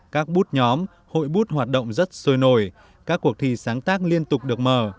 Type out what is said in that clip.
các bút nhóm hội bút hoạt động rất sôi nổi các cuộc thi sáng tác liên tục được mở